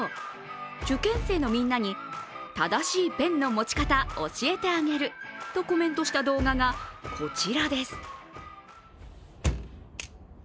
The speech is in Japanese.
受験生のみんなに「正しいペンの持ち方教えてあげる」とコメントした動画がこちらです。